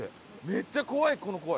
めっちゃ怖いこの声。